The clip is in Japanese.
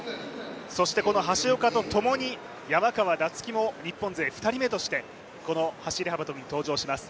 橋岡とともに、山川夏輝も日本勢２人目としてこの走幅跳に登場します。